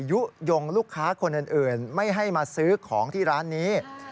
ยุโยงลูกค้าคนอื่นไม่ให้มาซื้อของที่ร้านนี้